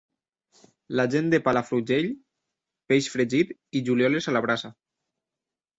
La gent de Palafrugell, peix fregit i julioles a la brasa.